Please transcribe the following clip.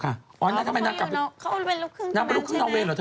อ๋อเขามาอยู่นอกเขาเป็นลูกครึ่งประมาณใช่ไหมนางเป็นลูกครึ่งนอเวย์เหรอเธอ